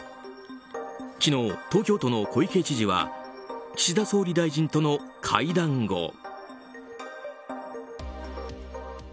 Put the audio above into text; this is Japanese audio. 昨日、東京都の小池知事は岸田総理大臣との会談後。